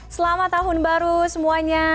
selamat tahun baru semuanya